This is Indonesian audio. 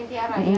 yang tiara ya